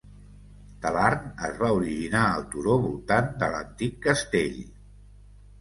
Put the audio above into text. Talarn es va originar al turó voltant de l'antic castell.